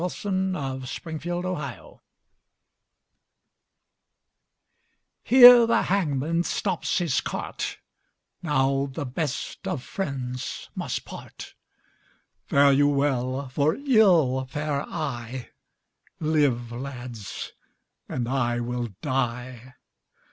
XLVII THE CARPENTER'S SON "Here the hangman stops his cart: Now the best of friends must part. Fare you well, for ill fare I: Live, lads, and I will die."